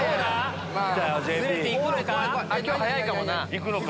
いくのか？